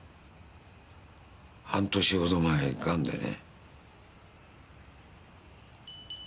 半年ほど前ガンでね。